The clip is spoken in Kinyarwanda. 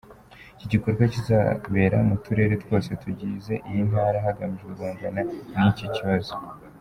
Iki gikorwa kizabera mu Turere twose tugize iyi Ntara hagamijwe guhangana n’iki kibazo.